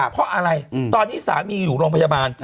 เพราะอะไรตอนนี้สามีอยู่โรงพยาบาล